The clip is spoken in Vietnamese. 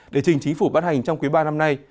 để trình chính phủ bắt hành trong quý ba năm nay